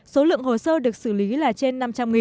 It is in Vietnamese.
số lượng hồ sơ được xử lý là trên năm trăm linh